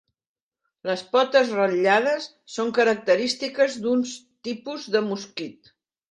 Les potes ratllades són característiques d'un tipus de mosquit.